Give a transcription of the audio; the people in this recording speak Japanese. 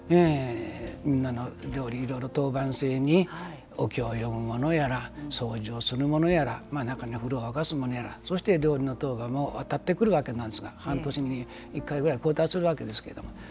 みんなの料理、いろいろ当番制にお経を読むものやら掃除をするものやら中には風呂を沸かすものやらそして、料理の当番もわたってくるわけなんですが半年に１回ぐらいくるわけですけれども。